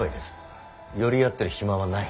寄り合ってる暇はない。